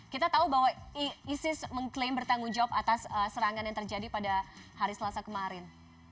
kita tahu bahwa isis mengklaim bertanggung jawab atas serangan yang terjadi pada hari selasa kemarin